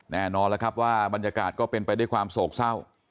แน่นอนแล้วครับว่าบรรยากาศก็เป็นไปด้วยความโศกเศร้า